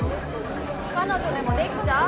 彼女でもできた？